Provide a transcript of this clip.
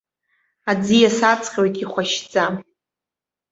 Аӡиас аҵҟьоит ихәашьӡа.